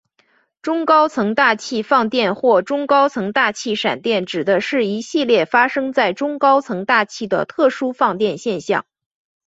中高层大气放电或中高层大气闪电指的是一系列发生在中高层大气的特殊放电现象。